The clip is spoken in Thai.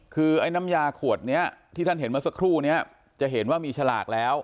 คือไอ้น้ำยาขวดนี้ที่ท่านเห็นเมื่อสักครู่นี้จะเห็นว่ามีฉลากแล้ว